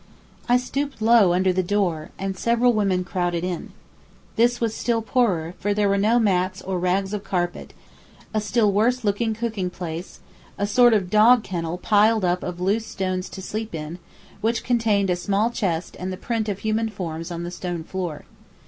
I stooped low under the door, and several women crowded in. This was still poorer, for there were no mats or rags of carpet, a still worse cooking place, a sort of dog kennel piled up of loose stones to sleep in, which contained a small chest and the print of human forms on the stone floor.